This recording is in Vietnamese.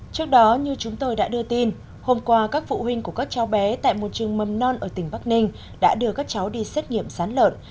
trước đó như chúng tôi đã đưa tin hôm qua các phụ huynh của các cháu bé tại một trường mầm non ở tỉnh bắc ninh đã đưa các cháu đi xét nghiệm sán lợn